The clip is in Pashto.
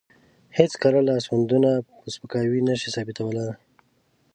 هېڅ کره لاسوندونه په سپکاوي نشي ثابتولی.